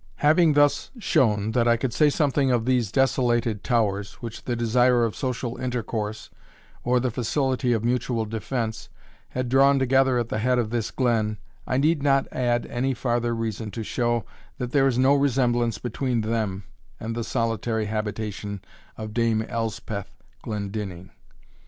Having thus shown that I could say something of these desolated towers, which the desire of social intercourse, or the facility of mutual defence, had drawn together at the head of this Glen, I need not add any farther reason to show, that there is no resemblance between them and the solitary habitation of Dame Elspeth Glendinning.